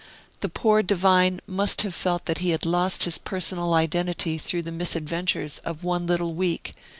The poor Divine must have felt that he had lost his personal identity through the misadventures of one little week.